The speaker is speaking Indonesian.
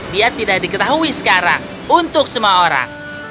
dia tidak diketahui sekarang untuk semua orang